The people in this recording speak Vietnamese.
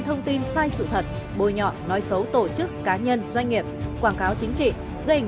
thông tin sai sự thật bồi nhọn nói xấu tổ chức cá nhân doanh nghiệp quảng cáo chính trị gây ảnh